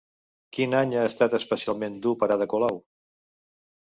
Quin any ha estat especialment dur per Ada Colau?